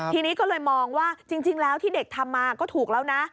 ทีนี้ก็เลยมองว่าจริงแล้วที่เด็กทำมาก็ถูกแล้วนะ